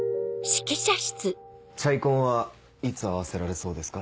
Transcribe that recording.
・『チャイコン』はいつ合わせられそうですか？